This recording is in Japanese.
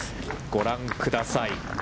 ご覧ください。